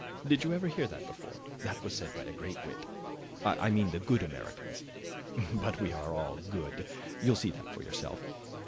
Did you ever hear that before? That was said by a great wit, I mean the good Americans; but we are all good; you'll see that for yourself.